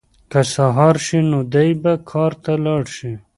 که سهار شي نو دی به کار ته لاړ شي.